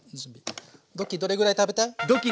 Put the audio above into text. ドッキーどれぐらい食べたい？